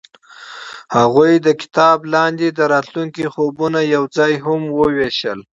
هغوی د کتاب لاندې د راتلونکي خوبونه یوځای هم وویشل.